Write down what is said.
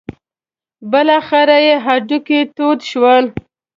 بالاخره یې هډوکي تود شول.